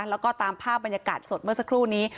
แล้วก็ตามภาพบรรยากาศสดเมื่อสักครู่นี้